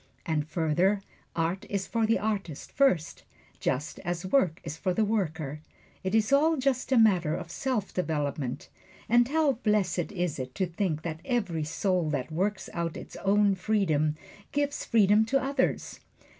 And further, art is for the artist first, just as work is for the worker it is all just a matter of self development. And how blessed is it to think that every soul that works out its own freedom gives freedom to others!